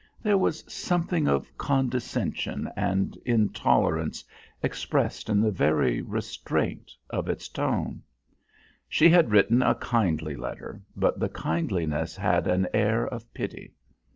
There was something of condescension and intolerance expressed in the very restraint of its tone. She had written a kindly letter, but the kindliness had an air of pity.